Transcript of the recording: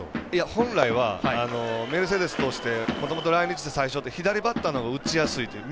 本来は、メルセデス投手来日して最初って左バッターのほうが打ちやすいという。